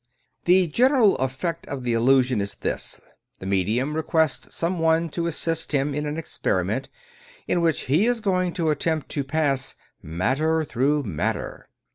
The general effect of the illusion is this : The medium requests some one to assist him in an experi ment in which he: is going to attempt to pass "matter through matter."